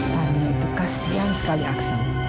tania itu kasihan sekali aksan